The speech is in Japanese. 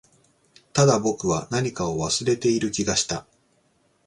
ただ、僕は何かを忘れている気がした